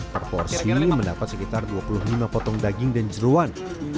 per porsi mendapat sekitar dua puluh lima potong daging dan jeruan